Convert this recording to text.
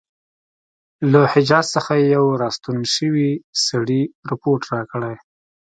له حجاز څخه یو را ستون شوي سړي رپوټ راکړی.